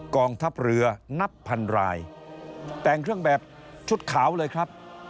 กองทัพเรือนับพันรายแต่งเครื่องแบบชุดขาวเลยครับ